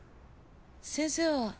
先生は